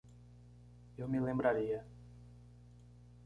Eu me lembraria